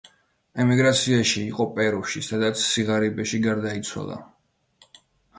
ემიგრაციაში იყო პერუში, სადაც სიღარიბეში გარდაიცვალა.